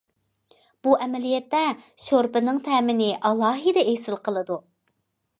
بۇ ئەمەلىيەتتە شورپىنىڭ تەمىنى ئالاھىدە ئېسىل قىلىدۇ.